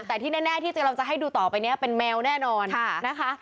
แต่ที่แน่ที่เราจะให้ดูต่อไปนี้เป็นแมวแน่นอนนะคะ